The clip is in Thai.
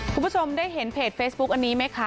คุณผู้ชมได้เห็นเพจเฟซบุ๊คอันนี้ไหมคะ